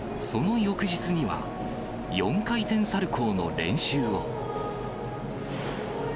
その翌日には、４回転サルコーの練習を。